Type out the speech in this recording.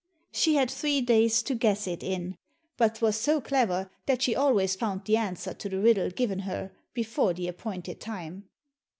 She had three days to guess it in, but was so clever that she always found the answer to the riddle given her, before the appointed time.